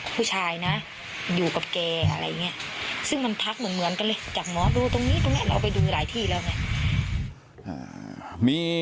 ก็มี